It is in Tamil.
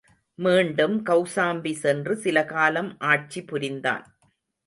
மீண்டும் கௌசாம்பி சென்று சில காலம் ஆட்சி புரிந்தான்.